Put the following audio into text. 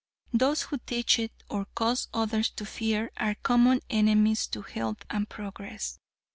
Those who teach it, or cause others to fear are common enemies to health and progress.